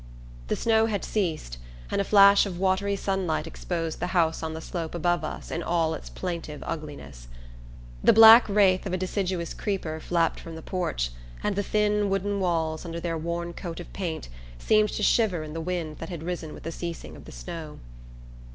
The snow had ceased, and a flash of watery sunlight exposed the house on the slope above us in all its plaintive ugliness. The black wraith of a deciduous creeper flapped from the porch, and the thin wooden walls, under their worn coat of paint, seemed to shiver in the wind that had risen with the ceasing of the snow.